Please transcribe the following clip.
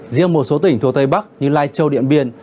riêng một số tỉnh thuộc tây bắc như lai châu điện biên